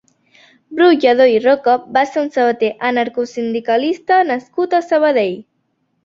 Bru Lladó i Roca va ser un sabater anarcosindicalista nascut a Sabadell.